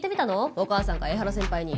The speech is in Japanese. お母さんか江原先輩に。